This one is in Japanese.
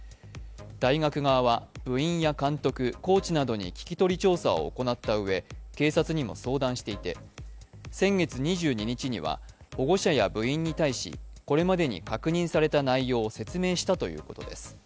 大学側は部員や監督、コーチなどに聞き取り調査を行ったうえ警察にも相談していて先月２２日には保護者や部員に対し、これまでに確認された内容を説明したということです。